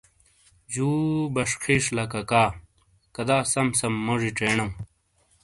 جُو بشخیش لاککا۔ کدا سم سم موجی چینؤ !